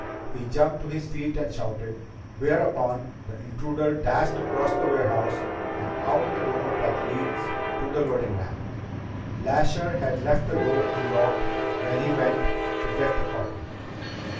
He jumped to his feet and shouted, whereupon the intruder dashed across the warehouse and out the door that leads to the loading ramp. Lasher had left the door unlocked when he went to get the coffee.